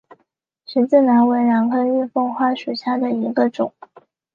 十字兰为兰科玉凤花属下的一个种。